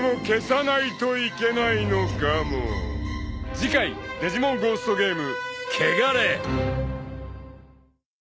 ［次回『デジモンゴーストゲーム』］